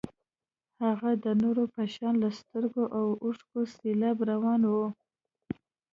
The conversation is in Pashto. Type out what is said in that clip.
هغې د نورو په شان له سترګو د اوښکو سېلاب روان و.